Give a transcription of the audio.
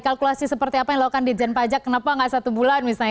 kalkulasi seperti apa yang dilakukan di jen pajak kenapa nggak satu bulan misalnya